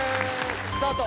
スタート！